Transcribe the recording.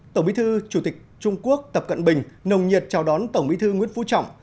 tổng bí thư chủ tịch trung quốc tập cận bình nồng nhiệt chào đón tổng bí thư nguyễn phú trọng